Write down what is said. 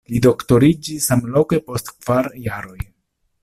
Li doktoriĝis samloke post kvar jaroj.